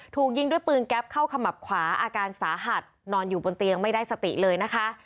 ถูกยิงด้วยปืนแก๊ปเข้าขมับขวาอาการสาหัสนอนอยู่บนเตียงไม่ได้สติเลยนะคะ